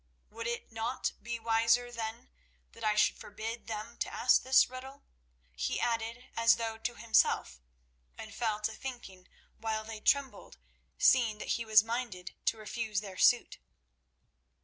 Would it not be wiser, then, that I should forbid them to ask this riddle?" he added as though to himself and fell to thinking while they trembled, seeing that he was minded to refuse their suit.